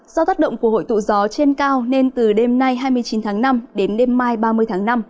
do tác động của hội tụ gió trên cao nên từ đêm nay hai mươi chín tháng năm đến đêm mai ba mươi tháng năm